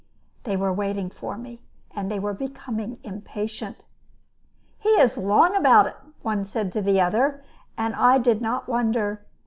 They were waiting for me, and were becoming impatient. "He is long about it," one said to another; and I did not wonder.